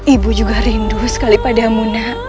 ibu juga rindu sekali pada ibu